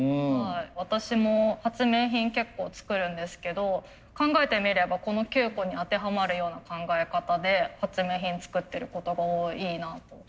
私も発明品結構作るんですけど考えてみればこの９個に当てはまるような考え方で発明品作ってることが多いなと。